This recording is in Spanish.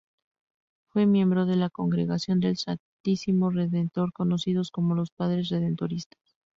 Fue miembro de la Congregación del Santísimo Redentor conocidos como los Padre Redentoristas.